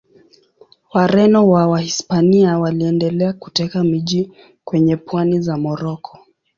Wareno wa Wahispania waliendelea kuteka miji kwenye pwani za Moroko.